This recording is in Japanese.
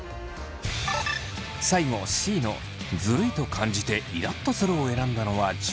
最後Ｃの「ずるいと感じてイラっとする」を選んだのは樹。